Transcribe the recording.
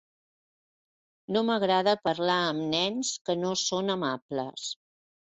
No m'agrada parlar amb nens que no són amables.